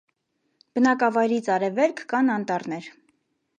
Բնակավայրից արևեքլ կան անտառներ։